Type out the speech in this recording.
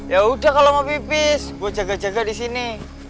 yaudah kalau mau pipis gue jaga jaga di sini